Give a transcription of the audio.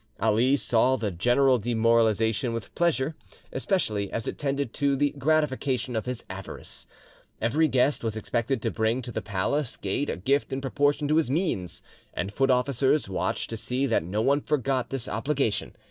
Ali saw the general demoralization with pleasure, especially as it tended to the gratification of his avarice, Every guest was expected to bring to the palace gate a gift in proportion to his means, and foot officers watched to see that no one forgot this obligation.